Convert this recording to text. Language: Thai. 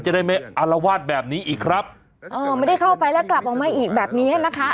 จะได้ไม่อารวาสแบบนี้อีกครับเออไม่ได้เข้าไปแล้วกลับออกมาอีกแบบเนี้ยนะคะ